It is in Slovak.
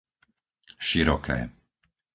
Široké